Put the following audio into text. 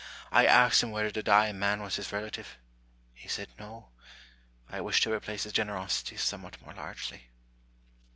I asked him whether the dying man was his relative. He said, " No." I wished to replace his generosity somewhat more largely.